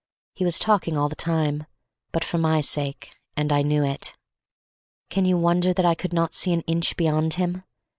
He was talking all the time, but for my sake, and I knew it. Can you wonder that I could not see an inch beyond him?